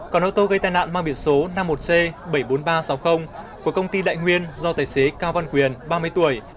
còn ô tô gây tai nạn mang biển số năm mươi một c bảy mươi bốn nghìn ba trăm sáu mươi của công ty đại nguyên do tài xế cao văn quyền ba mươi tuổi